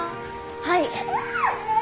はい。